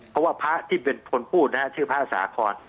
เพราะว่าพระที่เป็นคนพูดนะฮะชื่อพระสาคร